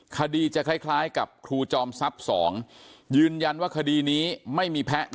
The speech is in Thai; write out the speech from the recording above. คดีจะคล้ายกับครูจอมทรัพย์๒ยืนยันว่าคดีนี้ไม่มีแพ้